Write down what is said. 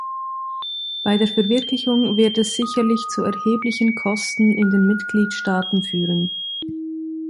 Bei der Verwirklichung wird es sicherlich zu erheblichen Kosten in den Mitgliedstaaten führen.